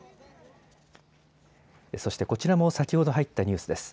そしてこちらも先ほど入ったニュースです。